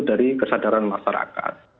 dari kesadaran masyarakat